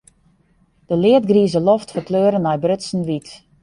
De leadgrize loft ferkleure nei brutsen wyt.